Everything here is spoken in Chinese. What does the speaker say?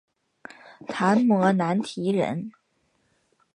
昙摩难提人。